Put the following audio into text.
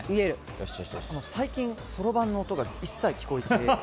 最近、そろばんの音が一切聞こえて。